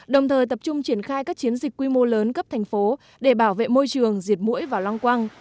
đồng thời tập trung triển khai các chiến dịch quy mô lớn cấp thành phố để bảo vệ môi trường diệt mũi và lăng quang